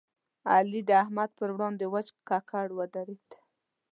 علي د احمد پر وړاندې وچ ککړ ودرېد.